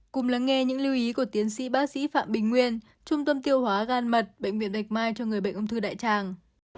cùng lắng nghe những lưu ý của tiến sĩ bác sĩ phạm bình nguyên trung tâm tiêu hóa gan mật bệnh viện bạch mai cho người bệnh ung thư đại tràng